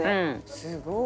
すごい。